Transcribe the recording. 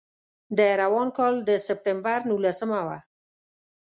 د روان کال د سپټمبر نولسمه وه.